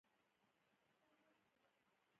د ختمولو سره مصرفوونکې ادارې راپور ورکوي.